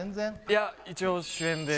いや一応主演で？